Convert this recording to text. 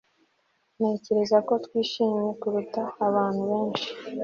ntekereza ko twishimye kuruta abantu benshi